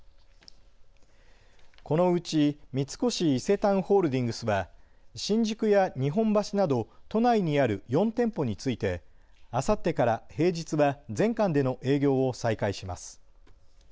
このうち三越伊勢丹ホールディングスは新宿や日本橋など都内にある４店舗についてあさってから平日は全館での営業を再開します。